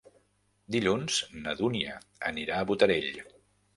Dilluns na Dúnia anirà a Botarell.